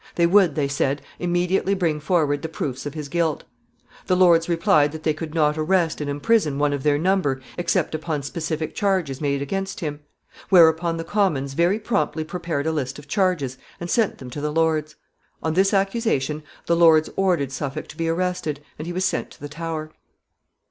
They would, they said, immediately bring forward the proofs of his guilt. [Sidenote: Accusations made.] The Lords replied that they could not arrest and imprison one of their number except upon specific charges made against him. Whereupon the Commons very promptly prepared a list of charges and sent them to the Lords. On this accusation the Lords ordered Suffolk to be arrested, and he was sent to the Tower. [Sidenote: An impeachment.] [Sidenote: Suffolk in the Tower.